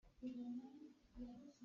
Safe nih saṭil an thi an dawp hna.